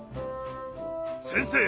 先生！